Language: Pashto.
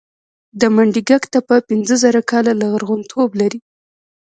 د منډیګک تپه پنځه زره کاله لرغونتوب لري